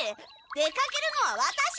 出かけるのはワタシ！